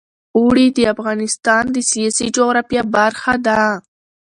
اوړي د افغانستان د سیاسي جغرافیه برخه ده.